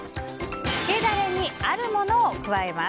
つけダレにあるものを加えます。